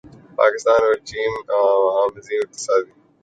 پاکستان اور چین عظیم اقتصادی تعاون کی جانب بڑھ رہے ہیں